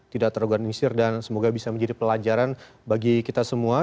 tidak terorganisir dan semoga bisa menjadi pelajaran bagi kita semua